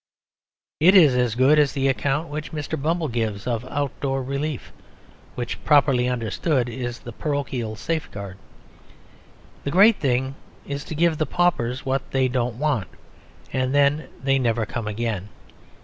It is as good as the account which Mr. Bumble gives of out door relief, which, "properly understood, is the parochial safeguard. The great thing is to give the paupers what they don't want, and then they never come again."